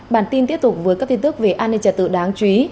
bản tin tiếp tục với các tin tức về an ninh trả tự đáng chú ý